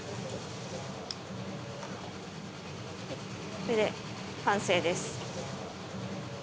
これで完成です。